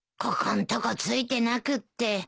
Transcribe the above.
ここんとこついてなくって。